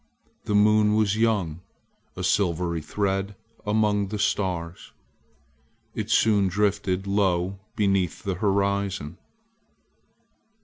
The moon was young. A silvery thread among the stars, it soon drifted low beneath the horizon.